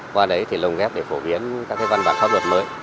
qua đấy thì lồng ghép để phổ biến các cái văn bản pháp luật mới